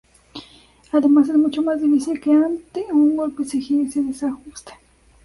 Además es mucho más difícil que ante un golpe se gire y se desajuste.